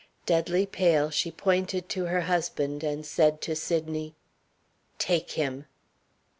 Deadly pale, she pointed to her husband, and said to Sydney: "Take him!"